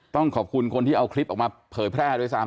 ต้องขอบคุณคนที่เอาคลิปออกมาเผยแพร่ด้วยซ้ำ